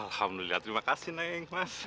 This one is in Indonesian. alhamdulillah terima kasih neeng mas